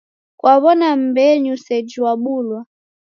Kwaw'ona mmbenyu sejhi wabulwa?